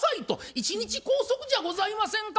「一日拘束じゃございませんか。